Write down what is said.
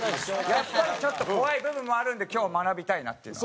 やっぱりちょっと怖い部分もあるんで今日は学びたいなっていうのは。